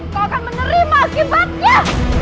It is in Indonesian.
kau akan menerima akibatnya